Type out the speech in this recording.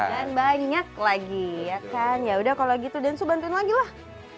dan banyak lagi ya kan yaudah kalau gitu densu bantuin lagi lah